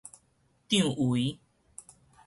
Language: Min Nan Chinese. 帳帷